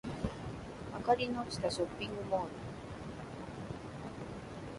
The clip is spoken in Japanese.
明かりの落ちたショッピングモール